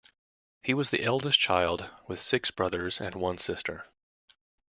He was the eldest child, with six brothers and one sister.